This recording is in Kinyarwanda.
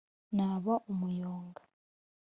“Naba umuyonga”